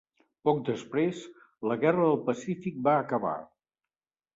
Poc després, la guerra del Pacífic va acabar.